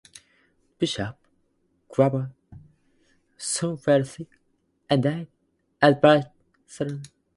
Bishop Quevedo soon fell sick and died at Barcelona.